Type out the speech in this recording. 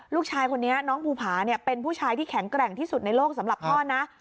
ลูกชายคนนี้น้องภูผาเป็นผู้ชายที่แข็งแกร่งที่สุดในโลกสำหรับพ่อนะ